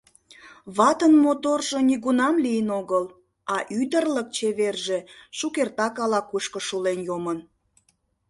Ватын моторжо нигунам лийын огыл, а ӱдырлык чеверже шукертак ала-кушко шулен йомын.